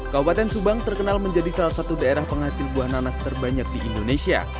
kabupaten subang terkenal menjadi salah satu daerah penghasil buah nanas terbanyak di indonesia